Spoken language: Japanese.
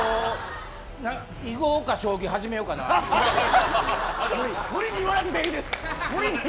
囲碁か将棋、始め無理に言わなくていいです。